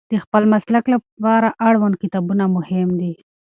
د خپل مسلک لپاره اړوند کتابونه مهم دي.